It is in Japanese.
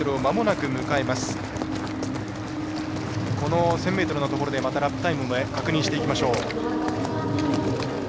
１０００ｍのところでラップタイムを、また確認していきましょう。